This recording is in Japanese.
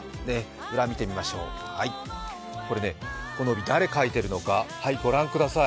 裏見てみましょう、これ誰書いているのか、ご覧ください。